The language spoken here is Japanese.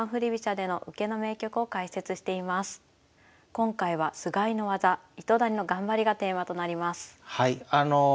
今回は「菅井の技糸谷の頑張り」がテーマとなります。